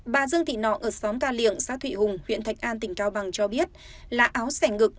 bà dương thị nọ ở xóm ca liềng xã thụy hùng huyện thạch an tỉnh cao bằng cho biết là áo sẻ ngực